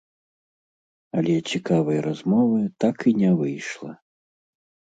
Але цікавай размовы так і не выйшла.